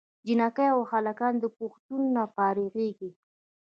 جینکۍ او هلکان د پوهنتون نه فارغېږي